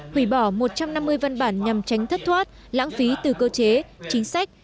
hủy bỏ một trăm năm mươi văn bản nhằm tránh thất thoát lãng phí từ cơ chế chính sách